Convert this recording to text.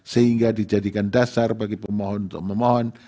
sehingga dijadikan dasar bagi pemohon untuk memohon